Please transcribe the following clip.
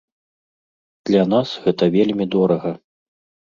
Для нас гэта вельмі дорага.